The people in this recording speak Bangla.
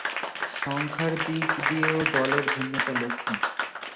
সংখ্যার দিক দিয়েও দলের ভিন্নতা লক্ষ্যণীয়।